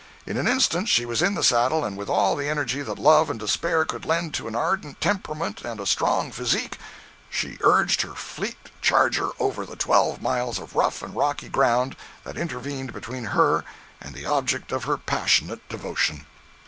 In an instant she was in the saddle, and with all the energy that love and despair could lend to an ardent temperament and a strong physique, she urged her fleet charger over the twelve miles of rough and rocky ground that intervened between her and the object of her passionate devotion.